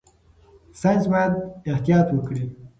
ساينس باید احتیاط وکړي.